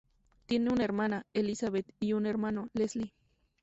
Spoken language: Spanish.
Tiene una hermana, Elisabeth, y un hermano, Leslie.